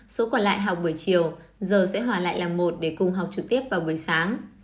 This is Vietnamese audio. số còn lại học buổi chiều giờ sẽ hòa lại làng một để cùng học trực tiếp vào buổi sáng